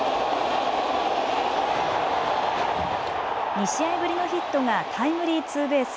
２試合ぶりのヒットがタイムリーツーベース。